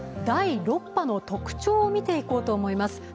第６波の特徴を見ていこうと思います。